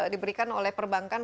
diberikan oleh perbankan